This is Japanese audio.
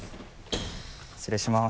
失礼します。